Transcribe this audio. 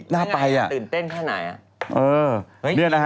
น่าไปอ่ะตื่นเต้นขนาดไหนอ่ะ